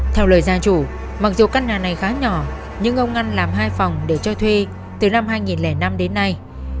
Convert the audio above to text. theo lời gia chủ mặc dù căn nhà này khá nhỏ nhưng ông ngân làm hai phòng để cho thuê từ năm hai nghìn năm đến nay